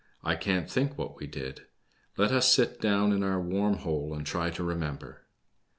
I can't think what we did ; let us sit down in our warm hole and try to remember."